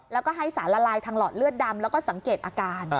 แล้วก็ให้สารละลายทางหลอดเลือดดำแล้วก็สังเกตอาการ